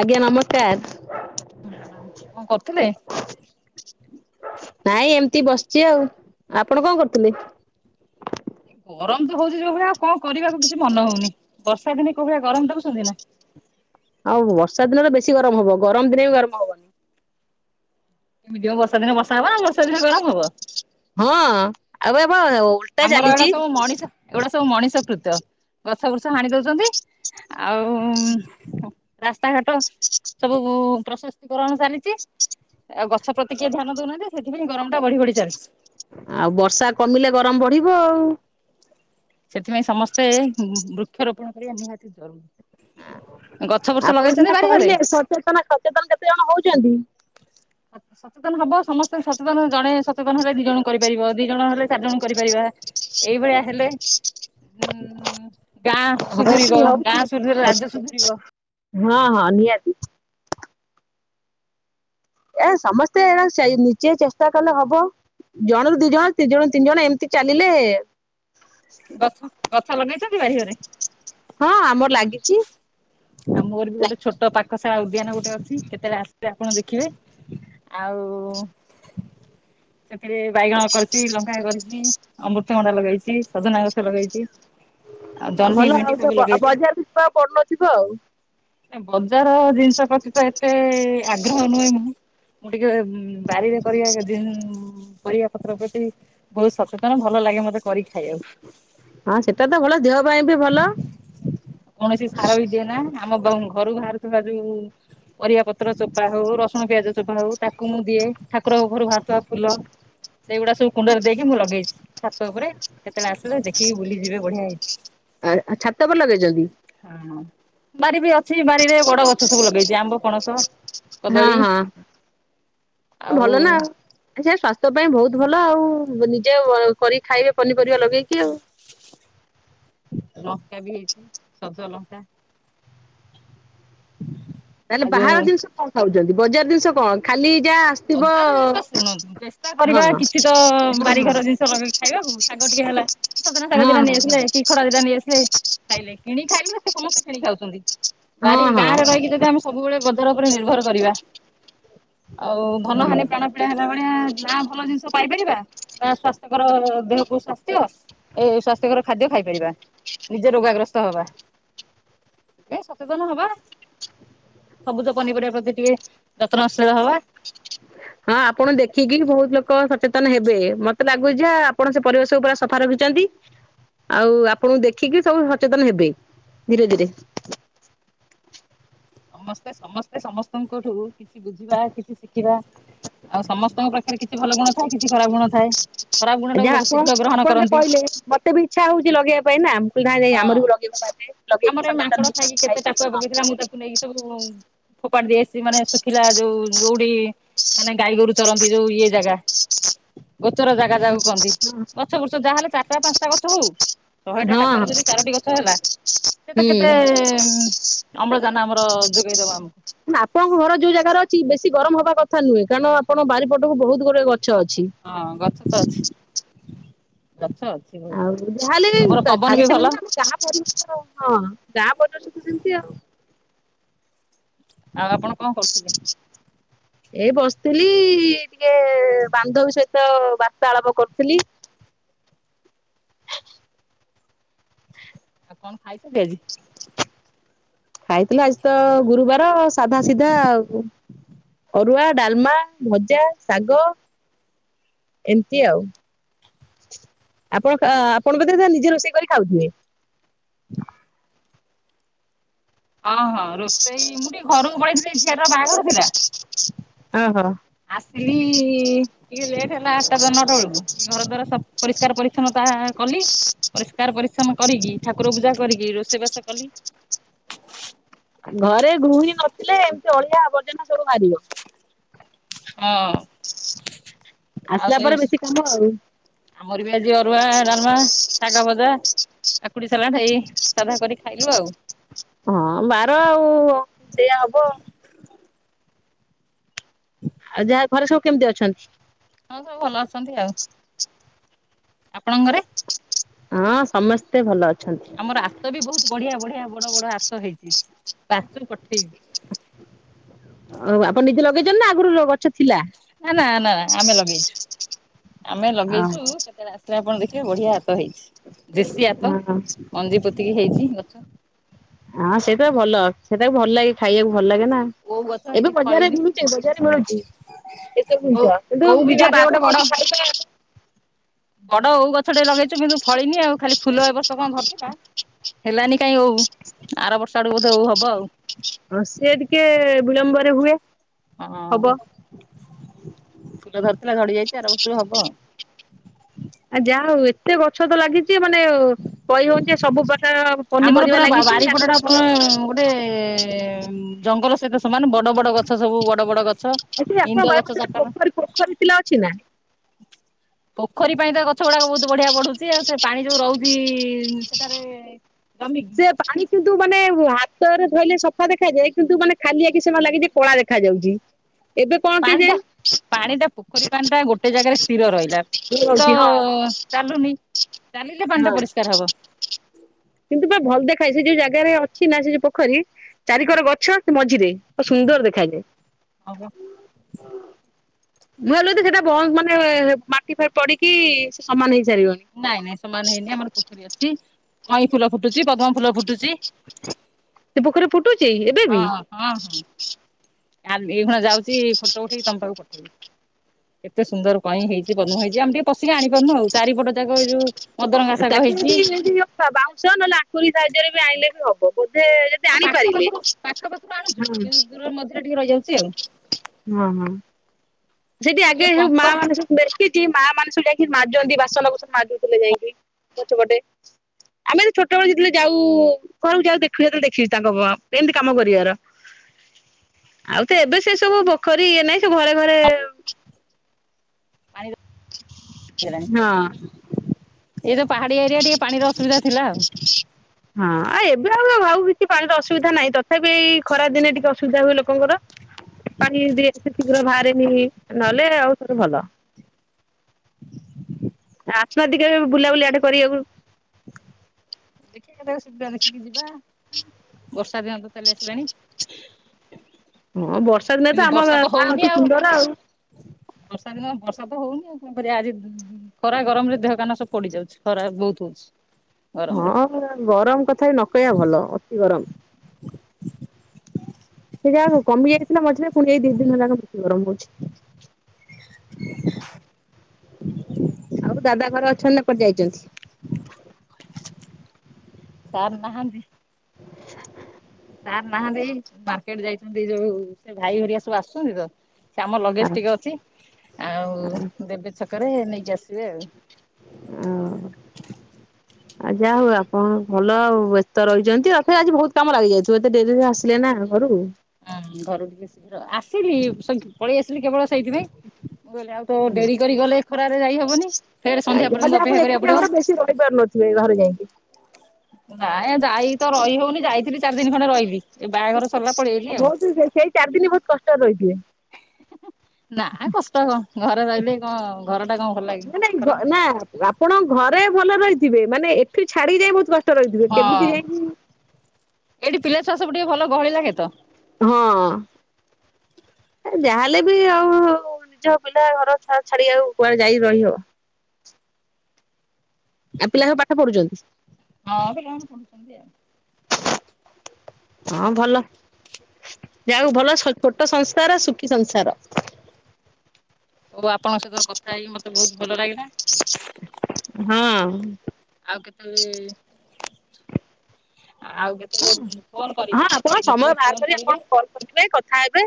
ଆଜ୍ଞା ନମସ୍କାର। ହଁ ପ୍ରଣାମ କଣ କରୁଥିଲେ? ନାଇଁ ଏମତି ବସିଚି ଆଉ, ଆପଣ କଣ କରୁଥିଲେ? ଗରମ ତ ହଉଛି ଯୋଉ ଭଳିଆ ଆଉ କଣ କରିବାକୁ କିଛି ମନ ହଉନି। ବର୍ଷା ଦିନେ କୋଉ ଭଳିଆ ଗରମ ଦେଖୁଛନ୍ତି ନା। ଆଉ ଅର୍ଷା ଦିନ ତ ବେଶୀ ଗରମ ହବ, ଗରମ ଦିନେ ବି ଗରମ ହବନି। ଏମିତିଆ ବର୍ଷା ଦିନେ ବର୍ଷା ହବ ଆଉ ବର୍ଷା ଦିନେ ଗରମ ହବ। ହଁ ଆଉ ଏବ ଓଲ ଆମର ଏଉଡା ସବୁ ମଣିଷ, ଏଗୁଡା ସବୁ ମଣିଷ କୃତ ଗଛ ବୃଛ ହାଣି ଦଉଛନ୍ତି। ଆଉ ଉମ୍, ହଁ ରାସ୍ତାଘାଟ ସବୁ ଉ, ପ୍ରଶସ୍ତିକରଣ ଚାଲିଚି। ଆଉ ଗଛ ପ୍ରତି କିଏ ଧ୍ୟାନ ଦଉନାହାନ୍ତି ସେଥିପାଇଁ ଗରମ ଟା ବଢି ବଢି ଚାଲିଛି। ଆଉ ବର୍ଷା କମିଲେ ଗରମ ବଢିବ ଆଉ। ସେଥିପାଇଁ ସମସ୍ତେ ବୃକ୍ଷରୋପଣ କରିବା ନିହାତି ଜରୁରୀ। ଆ, ଗଛ ବୃଛ ଆପଣ ଲଗେଇଛନ୍ତି ସିନା ବାରିଘରେ? କହିଲେ ସଚେତନ ସଚେତନ କେତେ ଜଣ ହଉଚନ୍ତି? [unintelligible] ସବୁ ସଚେତନ ହବ ସମସ୍ତେ ସଚେତନ ଜଣେ ସଚେତନ ହେଲେ ଦି ଜଣ କରିପାରିବ। ଦି ଜଣ ହେଲେ ଚାରି ଜଣକୁ କରିପାରିବା। ଏଇଭଳିଆ ହେଲେ ଉଁ, ଗାଁ ହଉଛି ସୁଧୁରିବ ହଉଛି। ଗାଁ ସୁଧୁରିଲେ ରାଜ୍ୟ ସୁଧୁରିବ। ହଁ, ହଁ ନିହାତି। ଏ ସମସ୍ତେ ଏଟା ସେଇ ନିଜେ ଚେଷ୍ଟା କଲେ ହବ। ଜଣୁରୁ ଦି ଜଣ ଦି ଜଣ ରୁ ତିନି ଜଣ ଏମିତି ଚାଲିଲେ ଗଛ ଗଛ ଲଗେଇଛନ୍ତି ବାରିଘରେ? ହଁ ଆମର ଲାଗିଚି। ଆ, ମୋର ବି ଗୋଟେ ଛୋଟ ପାଖଶାଳା ଉଦ୍ୟାନ ଗୋଟେ ଅଛି କେତେବେଳେ ଆସିବେ ଆପଣ ଦେଖିବେ। ଆଉ ସେଥିରେ ବାଇଗଣ କରିଛି, ଲଙ୍କା କରିଛି ଅମ୍ବୃ ତଭଣ୍ଡା ଲଗେଇଛି, ସଜନା ଗଛ ଲଗେଇଛି। ଆଉ [unintelligible] ଜହ୍ନି ଭଲ ଭେଣ୍ଡି ହାଉଛ ସବୁ ବ- ଅ, ଲଗେଇଛି। ବଜାରକୁ ଯିବାକୁ ଆଉ ପଡୁନଥିବ ଆଉ। ସେ ବଜାର ଜିନିଷ ପ୍ରତି ତ ଏତେ ଆଗ୍ରହ ନୁହେଁ ମୁଁ। ମୁଁ ଟିକେ ବାରିରେ କରିଆ କେଦିନ ପରିବା ପତ୍ର ପ୍ରତି ବହୁତ ସଚେତନ ଭଲ ଲାଗେ ମତେ କରିକି ଖାଇଆକୁ। ହଁ ସେଟା ତ ଭଲ ଦେହ ପାଇଁ ବି ଭଲ। ଯିଏନା ଆମ ବ ଘରୁ ଭାଆରୁଥିବା ଯୋଉ ପରିବା ପତ୍ର ଚୋପା ହଉ ରସୁଣ ପିଆଜ ଚୋପା ହଉ ତାକୁ ମୁଁ ଦିଏ। ଠାକୁରକ ଘରୁ ଭାଆରୁଥିବା ଫୁଲ ସେଇଗୁଡା ସବୁ କୁଣ୍ଡରେ ଦେଇକି ମୁଁ ଲଗେଇଛି। ଛାତ ଉପରେ କେତେବେଳେ ଆସିଲେ ଦେଖିକି ବୁଲିଯିବେ ବଢିଆ ହେଇଛି। ଆ ଛାତ ପ ଲଗେଇଛନ୍ତି? ହଁଅ। ବାରି ବି ଅଛି ବାରିରେ ବଡ ଗଛ ସବୁ ଲଗେଇଛି ଆମ୍ବ ପଣସ। ହଁ କଦଳୀ ହଁ ଭଲ ଆଉ ନାଁ। ଆଚ୍ଛା ସ୍ଵାସ୍ଥ୍ୟ ପାଇଁ ବହୁତ ଭଲ ଆଉ ନିଜେ କରିିକି ଖାଇବେ ପନିପରିବା ଲଗେଇକି ଆଉ। ଲଙ୍କା ବି ହେଇଛି ସଜ ଲଙ୍କା। ହୁଁ [inaudible] ତାହେଲେ ବାହାର ଜିନିଷ କଣ ଖାଉଛନ୍ତି। ବଜାର ଜିନିଷ କଣ ଖାଲି ଯାଆ ବଜାର ଜିନିଷ ଶୁଣନ୍ତୁ ଚେଷ୍ଟା ହଁ କରିବା ହଁ କିଛି ତ ହଁ ବାରିଘର ଜିନିଷ ଲଗେଇକି ଖାଇବାକୁ। ଶାଗ ଟିକେ ହେଲା ସଜନା ହଁ ଦିନ ନେଇ ଆସିଲେ କି ଖରା ଦିନ ନେଇ ଆସେଲେ ଖାଇଲେ କିଣି ଖାଇଲେ ନା ସେ ସମସ୍ତେ କିଣି ଖାଉଛନ୍ତି। ହଁ ବାରି ହଁ ଗାଁରେ ରହିକି ଯଦି ଆମ ସବୁବେଳେ ବଜାର ଉପରେ ନିର୍ଭର କରିବା ଆଉ ଭନହାନି ପ୍ରାଣ ଆ ହେଲା ଭଳିଆ ନା ଭଲ ଜିନିଷ ପାଇପାରିବା। ନା ସ୍ଵାସ୍ଥ୍ୟ କର ଦେହକୁ ସ୍ଵାସ୍ଥ୍ୟ ଏ ସ୍ଵାସ୍ଥ୍ୟକର ଖାଦ୍ୟ ଖାଇପାରିବା। ନିଜେ ରୋଗାଗ୍ରସ୍ତ ହବା। ସେଥିାଇ ସଚେତନ ହବା। ସବୁଜ ପନିପରିବା ପ୍ରତି ଟିକେ ଯତ୍ନଶୀଳ ହବା। ହଁ ଆପଣ ଦେଖିକିନ ବହୁତ ଲୋକ ସଚେତନ ହେବେ ମତେ ଲାଗୁଛି ଆପଣ ସେ ପରିବେଶ ପୁରା ସଫା ରଖିଛନ୍ତି। ଆଉ ଆପଣଙ୍କୁ ଦେଖିକି ସବୁ ସଚେତନ ହେବେ ଧୀରେ ଧୀରେ। ସମସ୍ତେ ସମସ୍ତେ ସମସ୍ତଙ୍କଠୁ କିଛି ବୁଝିବା କିଛି ଶିଖିବା। ଆଉ ସମସ୍ତଙ୍କ ପାଖରେ କିଛି ଭଲ ଗୁଣ ଥାଏ କିଛି ଖରାପ ଗୁଣ ଥାଏ। ଖରାପ ଗୁଣ ଆ ଟାକୁ ଯାହା ଲୋକ ଆପଣ ଶୀଘ୍ର ଗ୍ରହଣ ଆପଣ କରନ୍ତି କହିଲେ ମୋତେ ବି ଇଚ୍ଛା ହଉଛି ଲଗେଇବା ପାଇଁ ନା। ନାହିଁ ନାହିଁ ହଁ ଆମର ବି ଲଗେଇ ଆମର ଲଗେଇକି ଏ ମାଙ୍କଡ ସଚେତନଁ ଖାଇକି କେତେ ଥାଏ। [unintelligible] ଫୋପାଟ ଦେଇ ଆସି ମାନେ ଶୁଖିଲା ଯୋଉ ଯୋଉଠି ମାନେ ଗାଈ ଗୋରୁ ଚରନ୍ତି ଯୋଉ ଇଏ ଜାଗା। [inaudible] ଗଛର ଜାଗା ଜାଗାକୁ କହନ୍ତି। ହଁ ଗଛ ଫୁଛ ଯାହାହେଲେ ଚାରିଟା ପାଞ୍ଚଟା ଗଛ ହଉ ଶହେଟା ଟା ଯଦି ଚାରୋଟି ଗଛ ହେଲା ସେ ତ ହୁଁ କେତେ ଅମ୍ଳଜାନ ଆମର ଯୋଗେଇ ଦବା ଆମକୁ। ଆପଣଙ୍କ ଘର ଯୋଉ ଜାଗାରେ ଅଛି ବେଶୀ ଗରମ ହବା କଥା ନୁହେ। କାରଣ ଆପଣାରିପଟକୁ ବହୁତ ଗୋଟେ ଗଛ ହଁ ଗଛ ତ ଅଛି ଗଛ ଅଛି। ବହୁତ ଆଉ ଯାହାହଲେ ଆମର ବି ପବନ ଖାଲି ଭଲ ସେମିତି ହଁ ଗାଁ ବଛକୁୁ ସେମିତି ଆଉ ଆଉ ଆପଣ କଣ କରୁଥିଲେ? ଏ ବସିଥିଲି ଟିକେ ବାନ୍ଧବୀ ସହିତ ବାର୍ତାଳାପ କରୁଥିଲି। ଆଉ କଣ ଖାଇଛ ଆଜି? ଖାଇଥିଲା ଆଜି ତ ଗୁରୁବାର ସାଧା ସିଧା ଆଉ। ଅରୁଆ, ଡାଲମା, ଭଜା, ଶାଗ ଏମିତି ଆଉ ଆପଣ, ଆପଣ [unintelligible] ନିଜେ ରୋଷେଇ କରି ଖାଉଥିବେ? ଓହଁ ରୋଷେଇ, ମୁଁ ଟିକେ ଘରକୁ ପଳେଇଥିଲି ଝିଆରୀର ବାହାଘର ଥିଲା। ଓହୋ। ଆସିଲି ଇ ଇ ଟିକେ ଲେଟ୍ ହେଲା ଆଠଟା ଦ ନଅଟା ବେଳକୁ, ଟିକେ ଘର ଦ୍ଵାରା ସ ପରିଷ୍କାର ପରିଛନ ତାହା କଲି ପରିଷ୍କାର ପରିଛନ କରିକି, ଠାକୁର ପୂଜା କରିକି, ରୋଷେଇବାସ କଲି। ଘରେ ଗୃହିଣି ନଥିଲେ ଏମିତି ଅଳିଆ ଆବର୍ଜନା ସବୁ ବାହାରିବ? ହଁ, ଆଉ ଆସିଲା ସେ ପରେ ବେଶୀ କାମ ଆଉ ଆମର ବି ଆଜି ଅରୁଆ, ଡାଲମା ଶାଗ ଭଜା, କାକୁଡି ସାଲାଡ଼୍, ଏଇ ସାଧା କରି ଖାଇଲୁ ଆଉ ହଁ ବାର ଆଉଶ ସେଇଆ ହବ। ଆଉ ଯାହା, ଘରେ ସବୁ କେମିତି ଅଛନ୍ତି? ହଁ ସବୁ ଭଲ ଅଛନ୍ତି ଆଉ, ଆପଣଙ୍କ ଘରେ? ହଁ ସମସ୍ତେ ଭଲ ଅ ଆମର ଆତ ବି ବହୁତ ବଢିଆ ବଢିଆ ବଡ ବଡ ଆତ ହେଇଚି, ପାଚୁ ପଠେଇବି। ହଉ, ଆପଣ ନିଜେ ଲଗେଇଚନ୍ତି ନା, ଆଗରୁ ଗ ଛ ଥିଲା? ନା ନା ନା ନା, ଆମେ ଲଗେଇଚୁ, ଆମେ ଲଗେଇଚୁ କେତେବେଳେ ଆସିଲେ ଆପଣ ଦେଖିବେ, ବଢିଆ ଆତ ହେଇଚି, ଦେଶୀ ଆତ, ଓହୋ ମଞ୍ଜି ପୋତିକି ହେଇଚି ଗଛ। ହଁ ସେଇଟା ଭଲ, ସେଟାକୁ ଭଲ ଲାଗେ ଖାଇବାକୁ ଭଲ ଲାଗେ ନା? ଓଉ ଗଛ ଏବେ ହେଇଛି ବଜାରରେ ଫଳିନି ମିଳୁଚି, ବଜାରରେ ମିଳୁଚି। ଏସବୁ ଓଉ ଜିନିଷ କିନ୍ତୁ ଓଉ ବି ନିଜ ବାରିରେ ଗୋଟେ ବାଡିରୁ ବଡ ତୋଳିକି ଖାଇବା ବଡ ଓଉ ଗଛଟେ ଲଗେଇଚୁ କିନ୍ତୁ ଫଳିନି ଆଉ, ଖାଲି ଫୁଲ ଏ ବର୍ଷ କଣ ଧରିଥିଲା। ହେଲାନି କାଇଁ ଓଉ, ଆର ବର୍ଷ ଆଡୁକୁ ବୋଧେ ଓଉ ହବ ଆଉ। ହଁ ସିଏ ଟିକେ ବିଳମ୍ବରେ ହୁଏ। ହଁ ହବ। ଫୁଲ ଧରିଥିଲା ଝଡି ଯାଇଚି, ଆର ବର୍ଷକୁ ହବ ଆଉ। ଆ ଯାହା ହଉ, ଏତେ ଗଛ ତ ଲାଗିଚି ମାନେ କହି ହଉନି ଯେ ସବୁ ପ୍ରକାର ଆଉ ଆମର ପୁରା ବାରିପଟ ଟା ପ ଗୋଟେ ଜଙ୍ଗଲ ସହିତ ସମାନ, ବ ବଡ ବଡ ଗଛ ସବୁ, ବଡ ବଡ ଗଛ, ଆକ୍ଚୁଆଲି ଆପଣଙ୍କ ଇନ୍ଦ ବାରି ଗଛ ପଟେ ଚାରିଟା ଗୋଟେ ପୋଖରୀ ପୋଖରୀ ଥିଲା ଅଛି ନା? ପାଞ୍ଚ ପୋଖରୀ ପାଇଁ ତ ଗଛ ଗୁଡାକ ବହୁତ ବଢିଆ ବଢୁଛି ଆଉ, ସେ ପାଣି ଯୋଉ ରହୁଚି ସେଠାରେ ଜମିକି ସେ ପାଣି କିନ୍ତୁ ମାନେ ହାତରେ ଧୋଇଲେ ସଫା ଦେଖାଯାଏ କିନ୍ତୁ ମାନେ ଖାଲି ଆଖି ସେମାନେ ଲାଗିଚି କଳା ଦେଖାଯାଉଛି। ଏବେ କଣ ପାଣି ଟା, କେଜାଣି ପାଣି ଟା ପୋଖରୀ ପାଣି ଟା, ଗୋଟେ ଜାଗାରେ ସ୍ଥିର ରହିଲା। ସେ ତ ରହୁଛି ହଁ ଚାଲୁନି, ଚାଲିଲେ ପାଣି ଟା ହଁ ପରିଷ୍କାର ହବ। କିନ୍ତୁ ବା ଭଲ ଦେଖାଏ, ସେ ଯୋଉ ଜାଗାରେ ଅଛି ନା, ସେ ଯଉ ପୋଖରୀ ଚାରିକର ଗଛ, ସେ ମଝିରେ, ତ ସୁନ୍ଦର ଦେଖାଯାଏ। ହଁ ପା। ନହେଲେ ତ ସେଟା ବନ୍ଦ ମାନେ, ମାଟି ଫାଟି ପଡିକି, ସେ ସମାନ ହେଇସାରିବନି। ନାଇଁ ନାଇଁ ସମାନ ହେଇନି, ଆମର ପୋଖରୀ ଅଛି, କଇଁ ଫୁଲ ଫୁଟୁଚି, ପଦ୍ମ ଫୁଲ ଫୁଟୁଚି। ସେ ପୋଖରୀରେ ଫୁଟୁଚି, ଏବେ ବି? ହଁ ହଁ, କାଲି, ଏଇ ହଁ ଯାଉଚି ଫଟୋ ଉଠେଇକି ତମ ପାଖକୁ ପଠେଇବି। ଏତେ ସୁନ୍ଦର କଇଁ ହେଇଚି, ପଦ୍ମ ହେଇଚି, ଆମେ ଟିକେ ପଶିକି ଆଣିପାରୁନୁ ଆଉ, ଚାରିପଟ ଯାକ ଏଇ ଯଉ ତାକୁ ଯଦି [unintelligible] ବାଉଁଶ ନହେଲେ ଆଙ୍କୁରୀ ସାହାଯ୍ୟରେ ବି ଆଣିଲେ ବି ହବ ବୋଧେ ହଁ ପାଖ ଟାଣିପାରିଲେ ପାଖରୁ ପାଖ ପାଖରୁ ଆଣୁଛୁ ହଁ କିନ୍ତୁ ଦୂର ମଝିରେ ଟିକେ ରହିଯାଉଛି ଆଉ ହଁ ହଁ। ସେଇଟି ଟିକେ ଆଗେ ପଙ୍କ ମା ମାନେ ସବୁ ବେଶିଛି ମା ମାନେ ସବୁ ଯାଇକି ମ ମାଜନ୍ତି ବାସନ କୁସନ ମଜୁଥିଲେ ଯାଇକି। ପଛ ବଟେ। ଆମେ ତ ଛୋଟବେେଳେ ଜତେଳେ ଯାଉ ଘରକୁ ଯାଉ ଦେଖୁ ସେତେଳେ ଦେଖିଚି ତାଙ୍କ ଏମିତି କାମ କରିବାର। ହ ଆଉ ତ ଏବେ ସେ ସବୁ ପୋଖରୀ ଇଏ ନାହିଁ ସେ ଘରେ ଘରେ ପାଣି ହଁ। ଏଇ ତ ପାହାଡି ଏରିଆ ଟିକେ ପାଣିର ଅସୁବିଧା ଥିଲା ଆଉ। ହଁ ଆଉ ଏବେ ଆଉ ଭାବ କିଛି ପାଣିର ଅସୁବିଧା ନାହିଁ ତଥାପି ଏଇ ଖରା ଦିନେ ଟିକେ ଅସୁବିଧା ହୁଏ ଲୋକଙ୍କର। ପାଣି ଦି ସେ ଶୀଘ୍ର ବାହାରେନି ନହେଲେ ଆଉ ସର ଭଲ। ଆସ୍ନ ଟିକେ ବୁଲାବୁଲି ଆଡେ କରିବାକୁ। ଦେଖି କେତେବେଳେ ସୁବିଧା ଦେଖିକି ଯିବା। ବର୍ଷା ଦିନ ତ ଚାଲି ଆସିଲାଣି। ହଁ ବର୍ଷା ଦିନେ ତ କିନ୍ତୁ ଆମ ବର୍ଷା ଗାଁ ହଉନି ଅତି ସୁନ୍ଦର ଆଉ। ବର୍ଷା ଦିନ ବର୍ଷା ତ ହୋଉନି ଆଉ କଣ କରିବା ଆଜି ଖରା ଗରମରେ ଦେହ କାନ ସବୁ ପୋଡିଯାଉଚି ଖରା ବୋହୁତ ହଉଚି ଗରମ ରେ। ହଁ ଗରମ କଥା ବି ନ କହିବା ଭଲ ଅତି ଗରମ। ସେ ଯା ହୋଉ କମି ଯାଇଥିଲା ମଝିରେ ପୁଣି ଏଇ ଦି ଦିନ ହେଲା ବେଶୀ ଗରମ ହୋଉଚି। [inaudible] ଆଉ ଦାଦା ଘର ଅଛନ୍ତି ନା କଆଡେ ଯାଇଛନ୍ତି। ସାର ନାହାନ୍ତି। [inaudible] ସାର୍ ନାହାନ୍ତି ମାର୍କେଟ ଯାଇଛନ୍ତି ଯୋଉ ସେ ଭାଇ ହରିଆ ସବୁ ଆସୁଛନ୍ତି ତ। ସେ ଆମ ଲଗେଜ ଆଉ ଟିକେ ଅଛି ଆଉ ଦେବେ ଛକରେ ନେଇକି ଆସିବେ ଆଉ। [inaudible] ଆ ଯା ହଉ ଆପଣ ଭଲ ଆଉ ବ୍ୟସ୍ତ ରହିଚନ୍ତି ଆଉ ଫେରେ ଆଜି ବୋହୁତ କାମ ଲାଗିଯାଇଥିବ ଏତେ ଡେରିରେ ଆସିଲେ ନା ଘରୁ। ହଁ ଘରୁ ଟିକେ ଶୀଘ୍ର ଆସିଲି ସେ ପଳେଇ ଆସିଲି କେବଳ ସେଇଥିପାଇଁ। ମୁଁ କହିଲି ଆଉ ତ ଡେରି କରି ଗଲେ ଖରାରେ ଯାଇ ହବନି ଫେରେ ସନ୍ଧ୍ୟା ପର୍ଯ୍ୟନ୍ତ ଅପେକ୍ଷା କରିବାକୁ ପଡିବ। ସିଏ ରହିପାରେ ନତି। ସିଏ ଘରେ ଯାଇକି। ନା ଯାଇ ତ ରହି ହଉନି ଯାଇଥିଲି ଚାରି ଦିନ ଖଣ୍ଡେ ରହିବି ଏ ବାହାଘର ସରିଲା ପଳେଇଆଇଲି ଆଉ। ଭୋଉତୁ ସେଇ ସେଇ ଚାରି ଦିନ ବୋହୁତ କଷ୍ଟରେ ରହିଥିବେ। ନା କଷ୍ଟ କଣ ଘରେ ରହିଲେ କଣ ଘର ଟା କଣ ଭଲ ନାଇଁ ଲାଗେ ନାଇଁ ଘ ଖରାପ ନା ଲାଗେ। ଆପଣ ଘରେ ଭଲ ରହିଥିବେ ମାନେ ଏଠି ଛାଡି ଯାଇ ବୋହୁତ କଷ୍ଟ ରହିଥିବେ କେମିତି ଯାଇକି ଏଠି ପିଲା ଛୁଆ ସବୁ ଟିକେ ଭଲ ଗହଳି ଲାଗେ ତ। ହଁ। ଆ ଯାହାହେଲେ ବି ଆଉ ନିଜ ପିଲା ଘର ଛା ଛାଡି ଆଉ କୁଆଡେ ଯାଇକି ରହିହବ। ଆ ପିଲା କ ପାଠ ପଢୁଛନ୍ତି। ହଁ ପିଲାମାନେ ପଢୁଛନ୍ତି ଆଉ। ହଁ ଭଲ ଯାହାଉ ଭଲ ଛୋ ଛୋଟ ସଂସାର ସୁଖି ସଂସାର। ହଉ ଆପଣଙ୍କ ସହିତ କଥା ହେଇକି ମତେ ବୋହୁତ ଭଲ ଲାଗିଲା। ହଁ। ଆଉ କେତେବେଳେ ବି ଆଉ କେତେବେଳେ ଫୋନ ହଁ କରିବି ଆପଣ ସମୟ ମତେ ବାହାର ଫୋନ କରି କରିବେ। [unintelligible] କଥା ହେବେ।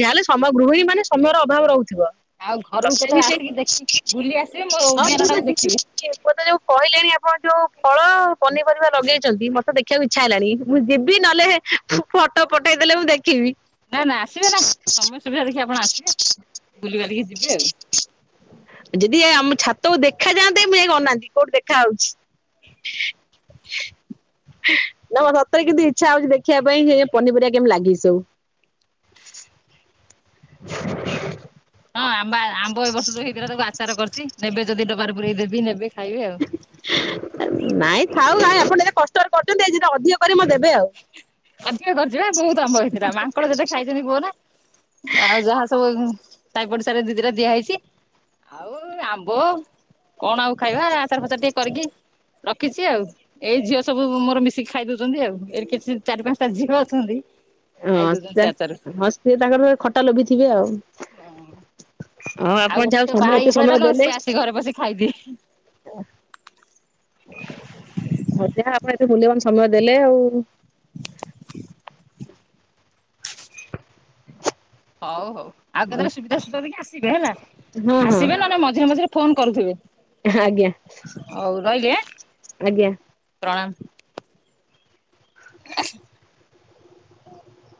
ଯାହାହେଲେ ସମ ଗୃହିଣୀ ମାନେ ସମୟର ଅଭାବ ରହୁଥିବ। ଆଉ ଘରକୁ କେତେବେଳେ [unintelligible] [unintelligible] ଆସିକି ଦେଖି ବୁଲି ଆସିବେ ମୋ ଉଦ୍ୟାନ ଟାକୁ ଦେଖିବେ। ଏବେ ଯୋଉ କହିଲେଣି ଆପଣ ଯୋଉ ଫଳ ପନିପରିବା ଲଗେଇଛନ୍ତି, ମତେ ଦେଖିବାକୁ ଇ ଇଛା ହେଲାଣି। ମୁଁ ଯିବି ନହେଲେ ଫଟୋ ପଠେଇ ଦେଲେ, ମୁଁ ଦେଖିବି। ନା ନା ଆସିବେ ନା, ସମୟ ସୁବିଧା ଦେଖିକି ଆପଣ ଆସିବେ ବୁଲି ବାଲିକି ଯିବେ ଆଉ। ଯଦି ଏ ଆମ ଛାତକୁ ଦେଖା ଯାଆନ୍ତେ, ମୁଁ ଯାଇକି ଅନାନ୍ତି, କୋଉଠି ଦେଖା ହାଉଚି। [inaudible] ନା ସତରେ କିନ୍ତୁ ଇଚ୍ଛା ହଉଛି ଦେଖିବା ପାଇଁ ଏ ପନିପରିବା କେମିତି ଲାଗିଚି ସବୁ। ହଁ ଆମ୍ବା ଆମ୍ବ ଏ ବର୍ଷ ଯୋଉ ହେଇଥିଲା ତାକୁ ଆଚାର କରିଛି। ନେବେ ଯଦି ଡବାର ପୁରେଇ ଦେବି ନେବେ ଖାଇବେ ଆଉ। ନାଇଁ ଥାଉ ନାଇଁ ଆପଣ ଯେତେ କଷ୍ଟରେ କରୁଛନ୍ତି, [unintelligible] ଅଧିକ [unintelligible] ଦେବେ ଆଉ। ଅଧିକ କରିଚି ବା, ବହୁତ ଆମ୍ବ ହେଇଥିଲା ମାଙ୍କଡ ଯେତେ ଖାଇ ଚି କୁହନା, ଆଉ ଯାହା ସବୁ ଶାଇ ପଡିସାରେ ଦି ଦିଟା ଦିଆ ହେଇଛି। ଆଉ ଆମ୍ବ କଣ ଆଉ ଖାଇବା, ଆଚାର ଫାଚର ଟିକେ କରିକି ରଖିଛି ଆଉ, ଏଇ ଝିଅ ସବୁ ମୋର ମିଶିକି ଖାଇ ଦଉଛନ୍ତି ଆଉ। ଏଇ କିଛି ଚାରି ପାଞ୍ଚଟା ଝିଅ ଅଛନ୍ତି। ହଁ ଖାଇ ଦଉଛନ୍ତି ସେ ପ୍ରାଏ [unintelligible] ସେ ତାଙ୍କର ଖଟା ଲୋଭିିଥିବେ ଆଉ। ଆଚାର। ହଉ ଆଉ ଆପଣ ଗୋଟେ ଯାହଉ ଝିଅ ସମୟ ବାହା ହେଇକି ଏତେ ପଳେଇଲା ସମୟ ଲୋ ଦେଲେ। ସିଏ ଆସି ଘରେ ବସି ଖାଇଦିଏ। [unintelligible] ହ ଯା ଆପଣ ଏତେ ମୂଲ୍ୟବାନ ସମୟ ଦେଲେ ଆଉ। ହଉ ହଉ। ଆଉ କେତେବେଳେ ସୁବିଧା ସୁଯୋଗ ଦେଖିକି ଆସିବେ ହେଲା, ହଁ ହଁ ଆସିବେ ନହେଲେ ମଝିରେ ମଝିରେ ଫୋନ କରୁଥିବେ। ଆଜ୍ଞା, ହଉ ରହିଲି ଆଁ ଆଜ୍ଞା। ପ୍ରଣାମ। [inaudible]